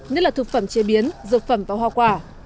nhất là thực phẩm chế biến dược phẩm và hoa quả